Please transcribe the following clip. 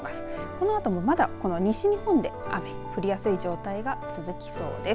このあともまだ西日本で雨が降りやすい状態が続きそうです。